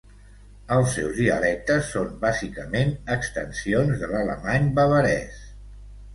Els seus dialectes són bàsicament extensions de l'alemany bavarès.